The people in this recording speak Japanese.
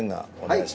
はい。